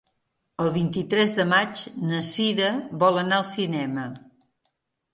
El vint-i-tres de maig na Cira vol anar al cinema.